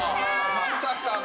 まさかの。